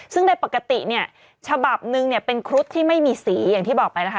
ซึ่งในปกติเนี่ยฉบับนึงเนี่ยเป็นครุฑที่ไม่มีสีอย่างที่บอกไปนะคะ